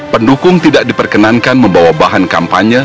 pendukung tidak diperkenankan membawa bahan kampanye